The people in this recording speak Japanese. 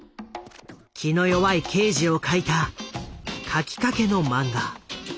気の弱い刑事を描いた描きかけの漫画。